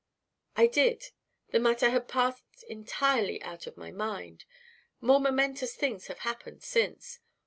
"I did. The matter had passed entirely out of my mind. More momentous things have happened since!